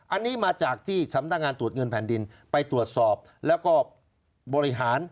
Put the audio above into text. อันนี้มาจากที่สำนักงานตรวจเงินแผ่นดินไปตรวจสอบแล้วก็บริหาร